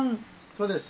そうです。